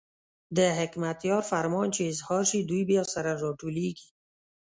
د حکمتیار فرمان چې اظهار شي، دوی بیا سره راټولېږي.